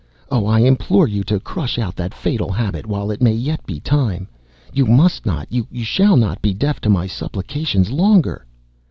Oh, I implore you to crush out that fatal habit while it may yet be time! You must not, you shall not be deaf to my supplications longer!"